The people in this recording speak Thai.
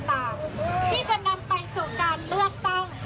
ต่างที่จะนำไปสู่การเลือกตั้ง